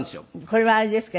これはあれですか？